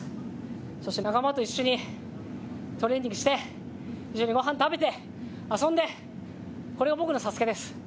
そして仲間と一緒にトレーニングして、ご飯を食べて、遊んで、これが僕のＳＡＳＵＫＥです。